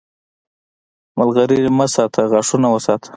مرغلرې مه ساته، غاښونه وساته!